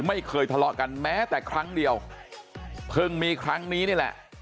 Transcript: ไม่เคยทะเลาะกันแม้แต่ครั้งเดียวเพิ่งมีครั้งนี้นี่แหละ